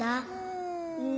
うん。